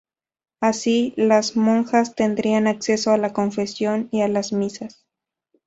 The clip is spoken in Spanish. Así, las monjas tendrían acceso a la confesión y a las misas.